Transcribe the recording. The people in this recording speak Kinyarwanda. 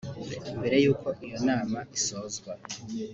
Mbere y’ uko iyo nama isozwa